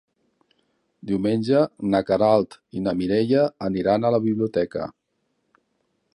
Diumenge na Queralt i na Mireia aniran a la biblioteca.